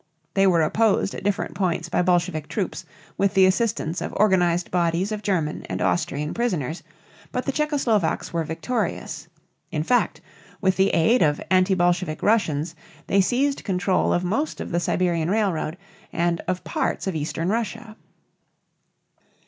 They were opposed at different points by Bolshevik troops with the assistance of organized bodies of German and Austrian prisoners, but the Czecho Slovaks were victorious. In fact, with the aid of anti Bolshevik Russians they seized control of most of the Siberian railroad, and of parts of eastern Russia.